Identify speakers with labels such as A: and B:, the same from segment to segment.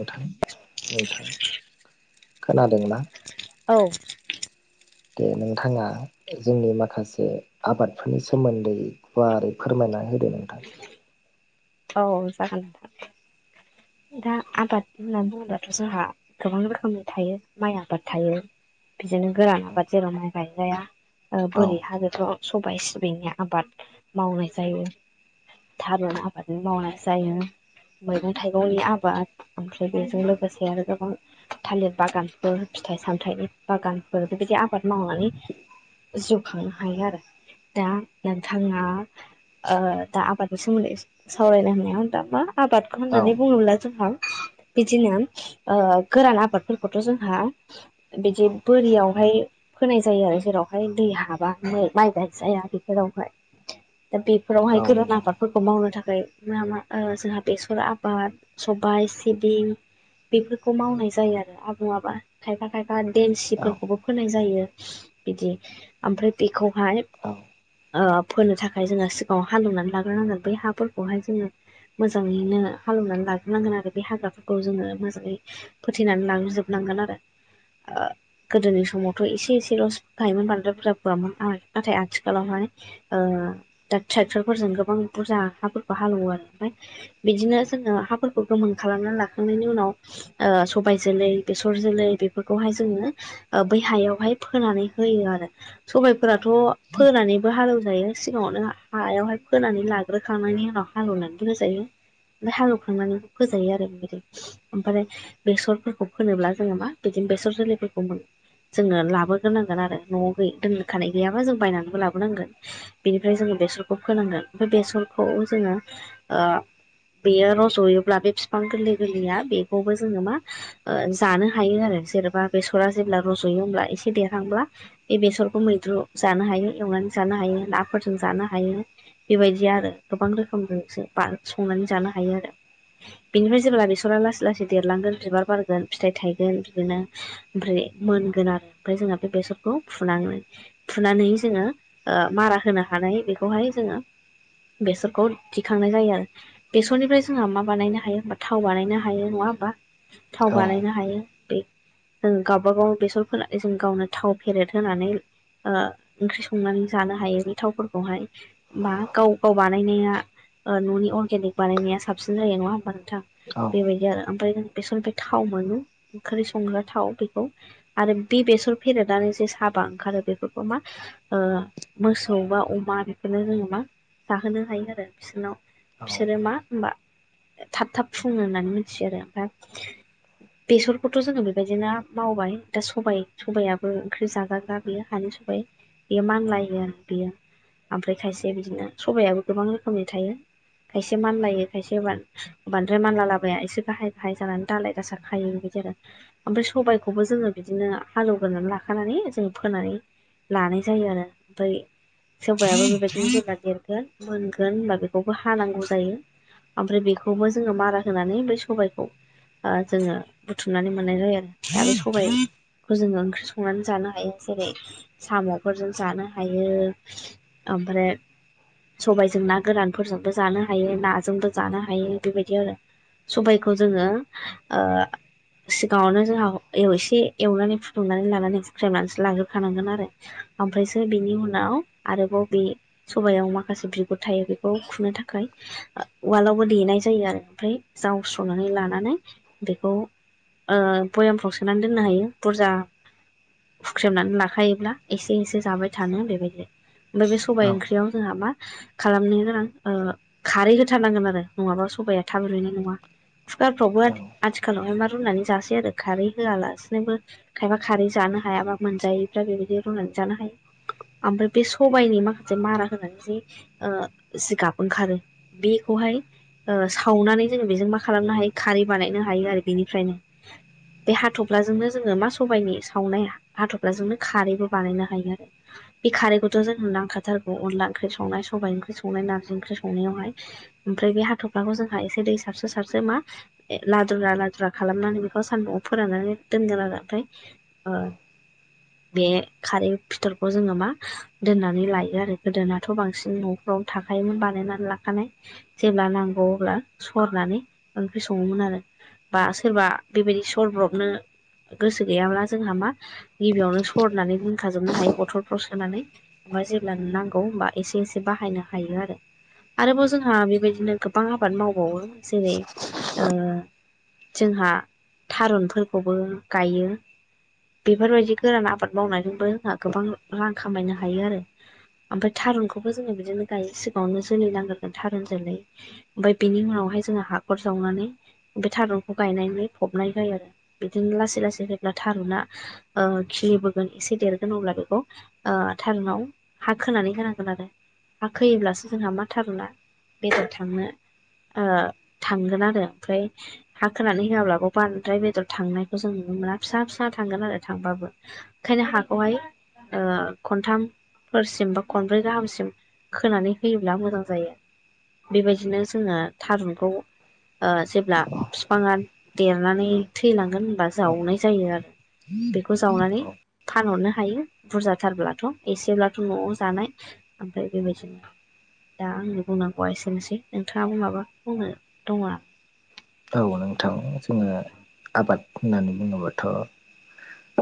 A: नोंथां नोंथां खोनादों ना?
B: औ।
A: दे नोंथाङा ओ जोंनि माखासे आबादफोरनि सोमोन्दै गुवारै फोरमायना होदो नोंथां।
B: औ जागोन दा आबाद होना बुङोबाथ' जोंहा गोबां रोखोमनि थायो माइ आबाद थायो। बिदिनो गोरान आबाद जेराव माइ गायनाया
A: औ
B: ओबोरि हा बेथ' सबाय, सिबिंनि आबाद मावनाय जायो। थारुन आबादनि मावनाय जायो। मैगं थाइ गंनि आबाद ओमफ्राय बेजों लोगोसे आरो गोबां थालिर बागानफोर फिथाइ सामथाइनि बागानफोर बेबायदि आबाद मावनानै जिउ खांनो हायो आरो। दा नोंथाङा ओ दा आबादनि सोमोन्दै सावरायनो होननायाव दा मा आबादखौ
A: औ
B: होननानै बुङोब्ला जोंहा बिदिनो ओ गोरान आबादफोरखौथ' जोंहा बिदि बोरियावहाय फोनाय जायो आरो। जेरावहाय दै हाबा मै माइ गाय जाया बेफोरावहाय दा बे
A: औ
B: फोरावहाय गोरान
A: नंगौ
B: आबादफोरखौ मावनो थाखाय मा मा ओ जोंहा बेसर आबा बाद सबाय, सिबिं बेफोरखौ मावनाय जायो आरो आबौ आबा खायफा खाय फा
A: औ
B: देमसिफोरखौबो फोनाय जायो बिदि ओमफ्राय बेखौहाय
A: औ
B: ओ फोनो थाखाय जोङो सिगाङाव हालेवनानै लाग्रोनांगोन बै हाफोरखौहाय जोङो मोजाङैनो हालौनानै लाग्रोबोनांगोन आरो बे हाग्राफोरखौ जोङो मोजाङै फोथैनानै लाग्रोजोबनांगोन आरो ओ गोदोनि समावथ' एसे एसेलसो फोखायोमोन बांद्राय बुरजा फवामोन नाथाय आथिखालावहाय ओ दा ट्रेक्टरफोरजों गोबां बुरजा हाफोरखौ हालेवो आरो ओमफ्राय बिदिनो जोङो हाफोरखौ गोमोन खालामनानै लाखांनायनि उनाव ओ सबाय जोलै बेसर जोलै बेफोरखौहाय जोङो ओ बै हायावहाय फोनानै होयो आरो सबायफोराथ' फोनानै बो हालेवजायो सिगाङावनो हायावहाय फोनानै लाग्रोखांनायनि उनाव हालेवनानैबो होजायो ओमफ्राय हालेवखांनानै फोजायो आरो बिनो ओमफ्राय बेसरफोरखौ फोनोब्ला जोङो मा बिदिनो बेसर जोलैफोरखौ मोनो जोङो लाबोग्रोनांगोन आरो न'आव दोनखानाय गैयाबा जों बायनानैबो लाबोनांगोन बेनिफ्राय जोङो बेसरखौ फोनांगोन ओमफ्राय बेसरखौ जोङो ओ बेयो रज'योब्ला बे बिफां गोरलै गोरलैया बेखौबो जोङो मा ओ जानो हायो आरो जेनेबा बेसरा जेब्ला रज'यो होमब्ला एसे देरहांब्ला बे बेसरखौ मैद्रु जानो हायो एवनानै जानो हायो नाफोरजों जानो हायो। बेबायदि आरो गोबां रोखोमजोंसो संनानै जानो हायो आरो बिनिफ्राय जेबा बेसरा लासै लासै देरलांगोन बिबार बारगोन फिथाइ थायगोन बिदिनो ओमफ्राय मोनगोन आरो ओमफ्राय जोंहा बे बेसरखौ फान्नानै फुनानै जोङो ओ मारा होनो हानाय बेखौहाय जोङो बेसरखौ थिखांनाय जायो आरो बेसरनिफ्राय जोंहा मा बानायनो हायो होनबा थाव बानायनो हायो नङा हबा थाव
A: औ
B: बानायनो हायो। बे जों गावबा गाव बेसर फानै जों गावनो थाव फेरेद होनानै ओ ओंख्रि संनानै जानो हायो बे थावफोरखौहाय बा गाव गाव बानायनाया ओ न'नि अर्गेनिक बानायनाया साबसिन जायो नङा होमबा नोंथां
A: औ
B: बेबायदि आरो ओमफ्राय बेसनिफ्राय थाव मोनो ओंख्रि संग्रा थाव बेखौ आरो बे बेसर फेरेदनानै जे साबा ओंखारो बेफोरखौ मा ओ मोसौ बा अमा बेखौनो जोङो मा जाहोनो हायो आरो बिसोरनाव
A: औ
B: बिसोरो मा होनोमबा थाब थाब फुङो होननानै मिथियो आरो ओमफ्राय बेसरखौथ' जोङो बेबायदिनो मावबाय दा सबाइ सबायाइयाबो ओंख्रि जाजाग्रा बियो हानि सबाय बेयो मानलायो बियो ओमफ्राय खायसे बिदिनो सबायाइाबो गोबां रोखोमनि थायो। खायसे मानलायो खायसे बां-बांद्राय मानला लाबाया एसे गाहाय गाहाय जानानै दालाय दासा खायो बेबायदि आरो ओमफ्राय सबायखौबो जोङो बिदिनो हालेवगोरननानै लाखानानै जों फोनानै लानाय जायो आरो ओमफ्राय सबायाबो बेबायदिनो जा देरगोन मोनगोन होनबा बेखौबो हानांगौ जायो। ओमफ्राय बेखौबो जोङो मारा होनानै फ्राय सबायखौ ओ जोङो बुथुमनानै मोननाय जायो आरो सबाइ खौ जोङो ओंख्रि संनानै जानो हायो जेरै साम'फोरजों जानो हायो। ओमफ्राय सबायजों ना गोरानफोरजों बो जानो हायो नाजोंबो जानो हायो बेबायदि आरो सबायखौ जोङो ओ सिगाङावनो जोंहा एसे एवनानै फुदुंनानै लानानै हुख्रेबनानैसो लाग्रोखानांगोन आरो ओमफ्रायसो बिनि उनाव आरोबाव बे सबायाव माखासे बिगुर थायो बेखौ खुनो थाखाय उवालावबो देनाय जायो आरो ओमफ्राय जावस्र'नानै लानानै बेखौ भयामफ्राव सोनानै दोननो हायो बुरजा हुख्रेमनानै लाखायोब्ला एसे एसे जाबाय थानो बेबायदि ओमफ्राय बे सबायाइ ओंख्रियाव जोंहा मा खालामनो गोनां खारै होथारनांगोन आरो नङाबा सबाया थाब रुयनाय नङा कुकारफ्रावबो
A: औ
B: आथिखालावहाय मा रुनानै जासै आरो खारै होआलासिनोबो खायबा खारै जानो हायाबा मोनजायैफ्रा बेबायदि रुनानै जानो हायो ओमफ्राय बे सबायाइनि माखासे मारा होनानै जे जिगाब ओंखारो बेखौहाय सावनानै जोङो बेजों मा खालामनो हायो खारै बानायनो हायो आरो बेनिफ्रायनो बे हाथफ्लाजोंनो जोङो मा सबायनि सावनाया हाथ'फ्लााजोंनो खारैबो बानायनो हायो आरो बे खारैखौथ' जों नांखाथारगौ अनला ओंख्रि संनाय सबायाइ ओंख्रि संनाय नार्जि ओंख्रि संनायावहाय ओमफ्राय बे हाथ'फ्लाखौ जोंहा एसे दै सारसो सारसो मा लादुरा लादुरा खालामनानै बेखौ सान्दुंआव फोराननानै दोनगोन आरो ओमफ्राय बे खारै फिथरखौ जोङो मा दोननानै लायो आरो गोदोनाथ' बांसिन न'फ्राव थाखोमोन बानायनानै लाखानाय जेब्ला नांगौ अब्ला सरनानै ओंख्रि सङोमोन आरो बा सोरबा बेबायदि सरब्रबनो गोसो गैयाब्ला जोंहा मा गिबियावनो सरनानै दखाजोबनो हायो बथलफ्राव सोनानै ओमफ्राय जेब्ला नांगौ होमबा एसे एसे बाहायनो हायो आरो आरोबाव जोंहा बेबायदिनो गोबां आबाद मावबावो जेरै जोंहा थारुनफोरखौबो गायो बेफोरबायदि गोरान आबाद मावनायजोंबो जोंहा गोबां रां खामायनो हायो आरो ओमफ्राय थारुनखौबो जोङो बिदिनो गायो सिगाङावनो जोलै नांग्रोगोन थारुन जोलै ओमफ्राय बिनि उनावहाय जोङो हाखर जावनानै बे थारुनखौ गायनानै फबनाय जायो आरो बिदिनो लासै लासै फैब्ला थारुना खिलिबोगोन एसे देरगोन अब्ला बेखौ थारुनाव हा खोनानै होनांगोन आरो हा खोैयोब्लासो जोंहा मा थारुना बेदर थांनो थांगोन आरो ओमफ्राय हा खोनानै होआब्लाबो बांद्राय बेदर थांनायखौ जों नुनो मोना फिसा फिसा थांगोन आरो थांबाबो ओंखायनो हाखौहाय खनथामफोरसिम बा खनब्रै गाहामसिम खोनानै होयोब्ला मोजां जायो बेबायदिनो जोङो थारुनखौ जेब्ला बिफाङा देरनानै थैलांगोन होनबा
A: औ
B: जावनाय जायो आरो बेखौ जावनानै फानहरनो हायो बुरजाथारब्लाथ' एसेब्लाथ' न'आव जानाय ओमफ्राय बेबायदिनो दा आंनि बुंनांगौआ एसेनोसै नोंथाङाबो माबा बुंनो दङ आरो
A: औ नोंथां जोङो आबाद होननानै बुङोबाथ'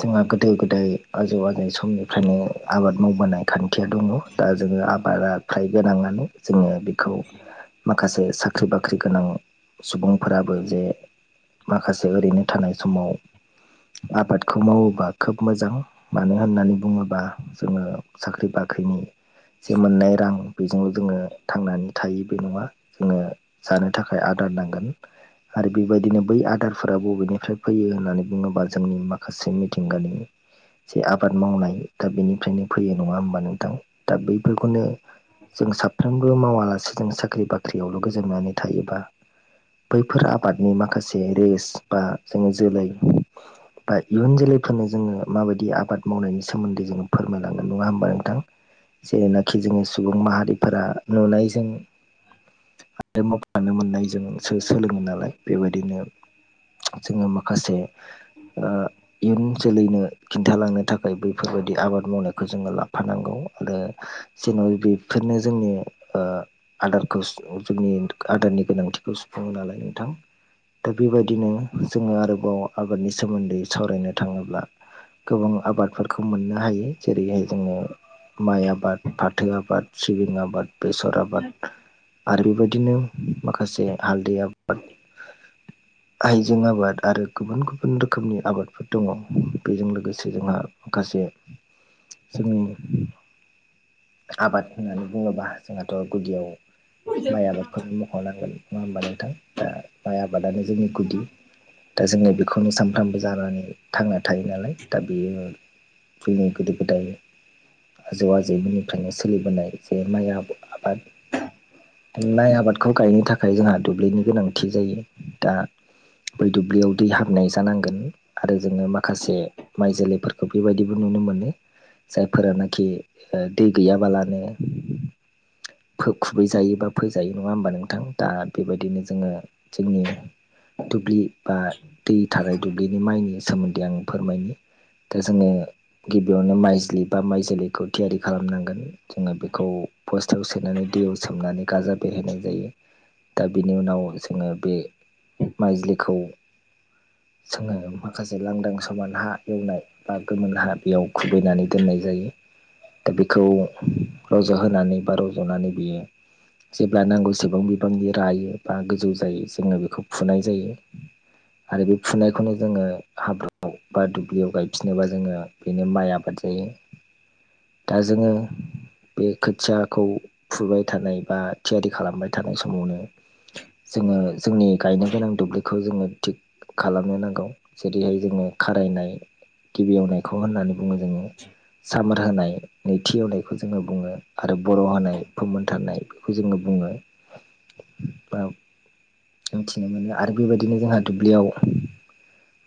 A: जोंहा गोदो गोदाय आजौ आजै समनिफ्रायनो आबाद मावबोनाय खान्थिया दंङ दा जोङो आबादा खाइ गोनांनानै जोङो माखासे साख्रि बाख्रि गोनां सुबुं फोराबो जे माखासे ओरैनो थानाय समाव आबादखौ मावोबा खोब मोजां मानो होननानै बुङोबा जोङो साख्रि बाख्रिनि जे मोननाय रां बेजों जोङो थांनानै थायो बे नङा जोङो जानो थाखाय आदार नांगोन आरो बेबायदिनो बै आदारफोरा बबेनिफ्राय फैयो होननानै बुङोबा जोंनि माखासे मिथिंगानि जे आबाद मावनाय दा बेनिफ्रायनो फैयो नङा होमबा नोंथां दा बैफोरखौनो जों साफ्रोमबो मावालासे जों साख्रि बाख्रियावल' गोजोमनानै थायोबा बैफोर आबादनि माखासे रेस बा जों जोलै बा इयुन जोलैफोरनो जोङो माबायदि आबाद मावनायनि सोमोन्दै जोङो फोरमायलांगोन नङा होमबा नोंथां जेरैनाखि जोङो सुबुं माहारिफोरा नुनायजों आरो मावखानो मोननाय जोंसो सोलोङो नालाय बेबायदिनो जोङो माखासे ओ इयुन जोलैनो खिन्थालांनो थाखाय बैफोरबायदि आबाद मावनायखौ जोङो लाफानांगौ आरो जेन' बेफोरनो जोंनि ओ आदारखौ जोंनि आदारनि गोनांथिखौ सु फुङो नालाय नोंथां दा बेबायदिनो जोङो आरोबाव आबादनि सोमोन्दै सावरायनो थाङोब्ला गोबां आबादफोरखौ मोननो हायो जेरैहाय जोङो माइ आबाद फाथो आबाद सिबिं आबाद बेसर आबाद आरो बेबायदिनो माखासे हालदै आबाद हाइजें आबाद आरो गुबुन गुबुन रोखोमनि आबादफोर दङ बेजों लोगोसे जोंहा माखासे जोंनि आबाद होननानै बुङोबा जोंहाथ' गुदियाव माइ आबादखौनो मख'नांगोन नङा होमबा नोंथां दा माइ आबादानो जोंनि गुदि दा जोङो बेखौनो सानफ्रामबो जानानै थांना थायो नालाय दा बेयो [unintelligible] गोदो गोदाय आजौ आजैमोननिफ्रायनो सोलिबोनाय जे माइ आ-आबाद माइ आबादखौ गायनो थाखाय जोंहा दुब्लिनि गोनांथि जायो दा बै दुब्लियाव दै हाबनाय जानांगोन आरो जोङो माखासे माइ जोलैफोरखौ बेबायदिबो नुनो मोनो जायफोरानाखि ओ दै गैयाबालानो फो खुबैजायो बा फोजायो नङा होमबा नोंथां दा बेबायदिनो जोङो जोंनि दुब्लि बा दै थानाय दुब्लिनि माइनि सोमोन्दै आं फोरमायनो दा जोङो गिबियावनो माइजलि बा माइ जोलैखौ थियारि खालामनांगोन जोङो बेखौ बस्टायाव सोनानै दैयाव सोमनानै गाजा बेरहोनाय जायो दा बिनि उनाव जोङो बे माइजलिखौ जोङो माखासे लांदां समान हा एवनाय बा गोमोन हा बेयाव खुबैनानै दोननाय जायो दा बेखौ रज'होनानै बा रज'नानै बियो जेब्ला नांगौ सिम गोबां बिबांनि रायो बा गोजौ जायो जोङो बेखौ फुनाय जायो आरो बे फुनायखौनो जोङो हाब्रुआव बा दुब्लियाव गायफिनोबा जोङो बेनो माइ आबाद जायो दा जोङो बे खोथियाखौ फुबाय थानाय बा थियारि खालामबाय थानाय समावनो जोङो जोंनि गायनो गोनां दुब्लिखौ जोङो थिग खालामनो नांगौ जेरैहाय जोङो खारायनाय गिबि एवनाय खौ होननानै बुङो जोङो सामा रा होनाय नैथि एवनायखौ जोङो बुङो आरो बर' होनाय फोमोनथारनाय बेखौ जोङो बुङो ओ मोनथिनो मोनो आरो बेबायदिनो जोंहा दुब्लियाव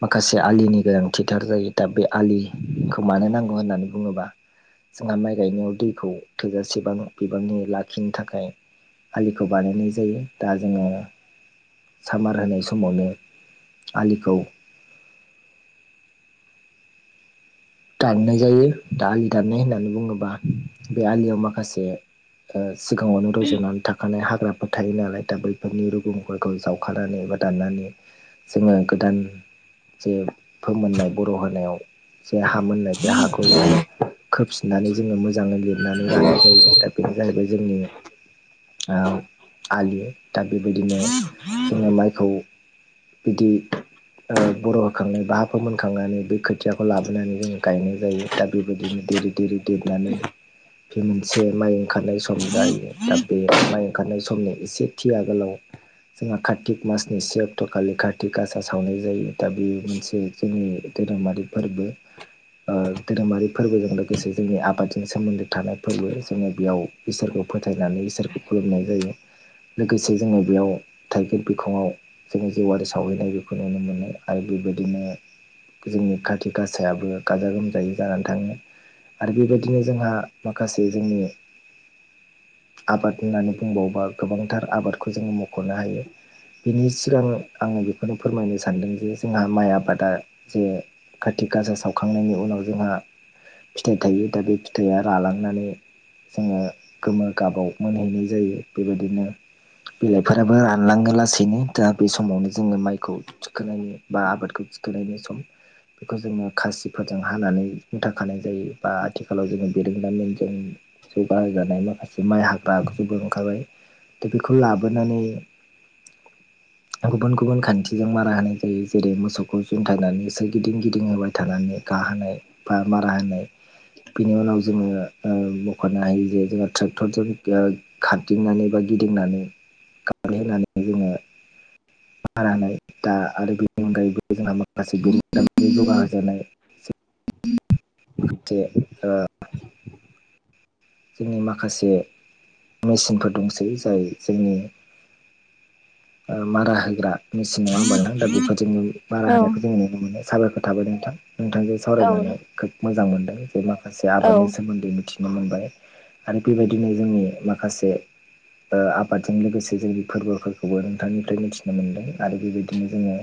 A: माखासे आलिनि गोनांथिटार जायो दा बे आलिखौ मानो नांगौ होननानै बुङोबा जोंहा माइ गायनायाव दैखौ थोजासेबां बिबांनि लाखिनो थाखाय आलिखौ बानायनाय जायो दा जोङो सामार होनाय समावनो आलिखौ दाननाय जायो दा आलि दाननाय होननानै बुङोब्ला बे आलियाव माखासे ओ सिगाङावनो रज'नानै था खानाय हाग्राफोर थायो नालाय दा बैफोरनि रुगुंफोरखौ जावखानानै एबा दाननानै जोङो गोदान जे फोमोननाय बर' होनायाव बे हा मोननाय
B: औ
A: बे हाखौ जोङो खोबफिननानै जोङो मोजाङै लिर फनानै लानाय जायो दा बेनो जाहैबाय जोंनि आ आलि दा बेबायदिनो जोङो माइखौ बिदि ओ बर' होखांनाय बा हा फोमोनखांनानै बे खोथियाखौ लाबो हाबानै जों गायनाय जायो दा बेबायदिनो देरै देरिरि देरनानै बे मोनसे माइ ओंखारनाय सम जायो दा बे माइ ओंखारनाय समनि एसे थि आगोलाव जोंहा कार्तिक मासनि से अक्ट' खालि कार्तिक आासा सावनाय जायो दा बे मोनसे जोंनि धोरोमारि फोरबो ओ धोरोमारि फोरबोजों लोगोसे जोंनि आबादजों सोमोन्दो थानाय फोरबो जोङो बेयाव इसोरखौ फोथायनानै इसोरखौ खुलुमनाय जायो। लोगोसे जोङो बेयाव थाइगिर बिखङाव जोंनि जिउआारि सावहैनाय बेखौ नुनो मोनो आरो बेबायदिनो जोंनि खाथि खास सायाबो गाजा गोमजायै जानानै थाङो आरो बेबायदिनो जोंहा माखासे जोंनि आबाद होननानै बुंबावोबा गोबांथार आबादखौ जोङो मख'नो हायो बिनि सिगां आङो बेखौनो फोरमायनो सानदों जे जोंहा माइ आबादा जे आथि गासा सावखांनायनि उनाव जोंहा फिथाइ थायो दा बे फिथाइया रालांनानै जोङो गोमो गाबाव मोनहैनाय जायो बेबायदिनो बिलाइफोराबो रानलाङो लासैनो दा बे समावनो जोङो माइखौ थिखोनायो बा आबादखौ थिखोनायनि सम बेखौ जोङो खासिफोरजों हानानै मुथाखानाय जायो बा आथिखालाव जोङो बिरोंदामिनजों बाहायजानाय माखासे माइ हाग्रा आगजुबो ओंखारबाय दा बेखौ लाबोनानै गुबुन गुबुन खान्थिजों मारा होनाय जायो जेरै मोसौखौ जुनथायनानै सै गिदिं गिदिं होबाय थानानै गाहोनाय बा मारा होनाय बिनि उनाव जोङो ओ मख'नो हायो जे जोंहा ट्रेक्टरजों खारदिंनानै बा गिदिंनानै गारहोनानै जोङो मारानाय दा आरो बेनि अनगायैबो जोंहा माखासे गुबुन [unintelligible] जौगाहानाय [unintelligible] ओ जोंनि माखासे मेचनफोर दंसै जाय जोंनि ओ मारा होग्रा मेसिन नङा होनोमबा नोंथां दा बेफोरजोंनो बारा होनायखौ जोंङो नुनो मोनो साबायखर थाबाय नोंथां नोंथांजों सावरायनानै खोब मोजां मोनदों जे माखासे आबादनि सोमोन्दै मिथिनो मोनबाय। आरो बेबायदिनो जोंनि माखासे ओ आबादजों लोगोसे जोंनि फोरबोफोरखौबो नोंथांनिफ्राय मिथिनो मोनदों आरो बेबायदिनो जोङो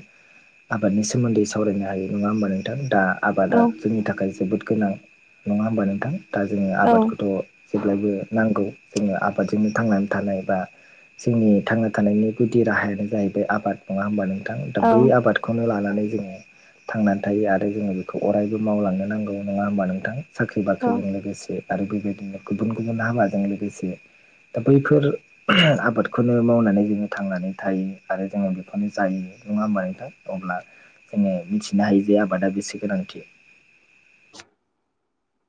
A: आबादनि सोमोन्दै सावरायनो हायो नङा होमबा नोंथां दा आबादा
B: औ
A: जोंनि थाखाय जोबोद गोनां नङा होमबा नोंथां दा जोङो आबादखौथ' जेब्लायबो नांगौ जोङो आबादजोंनो थांनानै थानाय बा जोंनि थांना थानायनि गुदि राहायानो जाहैबाय आबाद नङा होमबा नोंथां दा
B: औ
A: बै आबादखौ बेखौनो लानानै जोङो थांनानै थायो आरो जोङो बेखौ अरायबो मावलांनो नांगौ नङा होमबा नोंथां साख्रि
B: औ
A: बाख्रिजों लोगोसे आरो बेबायदिनो गुबुन गुबुन हाबाजों लोगोसे दा बैफोर आबादखौनो मावनानै जोङो थांनानै थायो आरो जोङो बेखौनो जायो नङा होमबा नोंथां अब्ला जोङो मिथिनो हायो जे आबादा बेसे गोनांथि।